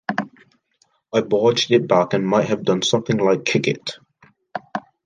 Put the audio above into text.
I barged it back and might have done something like kick it.